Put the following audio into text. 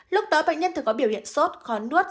lúc đó bệnh nhân thường có biểu hiện sốt khó nuốt